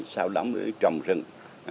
sau đó trồng rừng